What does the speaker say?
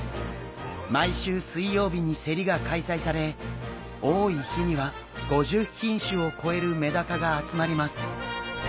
毎週水曜日に競りが開催され多い日には５０品種を超えるメダカが集まります。